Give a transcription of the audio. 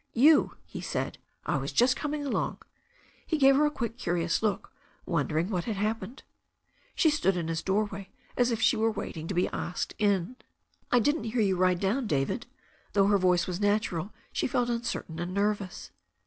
"You," he said, "I was just coming along." He gave her a quick, curious look, wondering what had happened. She stood in his doorway as if she were waiting to be asked in. "I didn't hear you ride down, David." Though her voice was natural she felt uncertain and nervous.